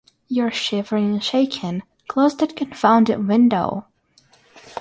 You’re shivering and shaking; close that confounded window!